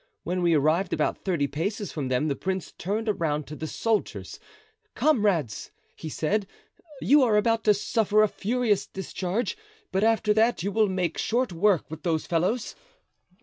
When we arrived about thirty paces from them the prince turned around to the soldiers: 'Comrades,' he said, 'you are about to suffer a furious discharge; but after that you will make short work with those fellows.